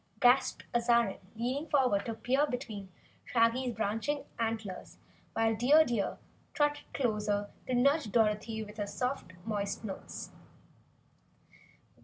gasped Azarine leaning forward to peer between Shaggy's branching antlers, while Dear Deer trotted closer to nudge Dorothy with her soft, moist nose.